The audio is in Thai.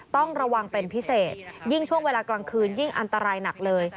ต้องระวังเป็นพิเศษยิ่งช่วงเวลากลางคืนยิ่งอันตรายหนักเลย